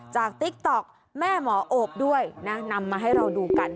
ติ๊กต๊อกแม่หมอโอบด้วยนะนำมาให้เราดูกัน